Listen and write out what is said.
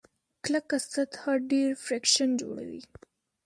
کلکه سطحه ډېر فریکشن جوړوي.